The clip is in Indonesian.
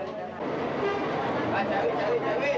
tidak ada nok shared lagi